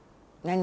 何？